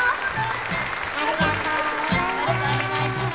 ありがとうございます。